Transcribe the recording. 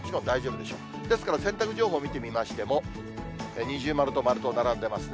ですから洗濯情報を見てみましても、二重丸と丸、並んでますね。